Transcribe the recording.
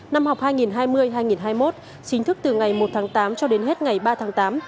năm học hai nghìn hai mươi hai nghìn hai mươi một chính thức từ ngày một tháng tám cho đến hết ngày ba tháng tám